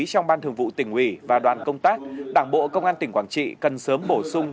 trong ban thường vụ tỉnh ủy và đoàn công tác đảng bộ công an tỉnh quảng trị cần sớm bổ sung